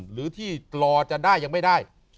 หรือที่รอจะได้ยังไม่ได้